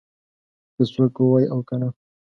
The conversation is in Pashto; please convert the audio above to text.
که څوک ووايي او که نه.